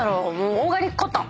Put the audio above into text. オーガニックコットン！